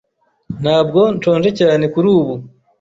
Ntabwo nshonje cyane kurubu.